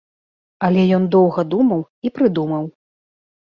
Але ён доўга думаў і прыдумаў.